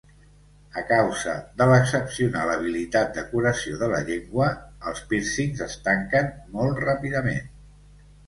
A causa de l'excepcional habilitat de curació de la llengua, els pírcings es tanquen molt ràpidament.